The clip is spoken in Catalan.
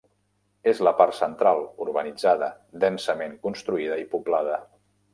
És la part central, urbanitzada, densament construïda i poblada.